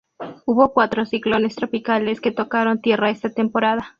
Hubo cuatro ciclones tropicales que tocaron tierra esta temporada.